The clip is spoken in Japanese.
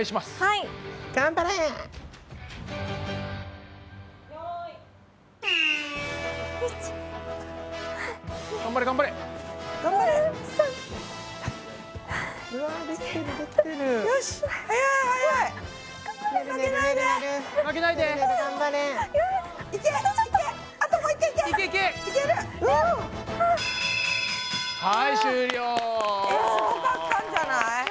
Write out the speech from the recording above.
すごかったんじゃない？